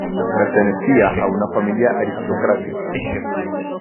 Pertenecía a una familia aristocrática.